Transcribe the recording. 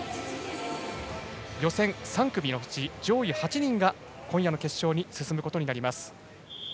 予選３組のうち上位８人が今夜の決勝に進むことになります。